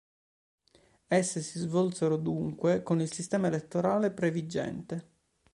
Esse si svolsero dunque con il sistema elettorale previgente.